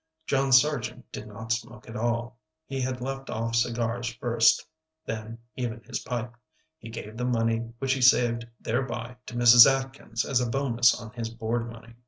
John Sargent did not smoke at all. He had left off cigars first, then even his pipe. He gave the money which he saved thereby to Mrs. Atkins as a bonus on his board money.